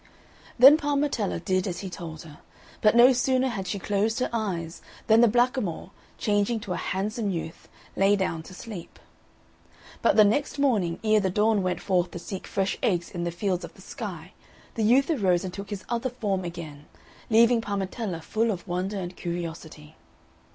Then Parmetella did as he told her; but no sooner had she closed her eyes than the blackamoor, changing to a handsome youth, lay down to sleep. But the next morning, ere the Dawn went forth to seek fresh eggs in the fields of the sky the youth arose and took his other form again, leaving Parmetella full of wonder and curiosity.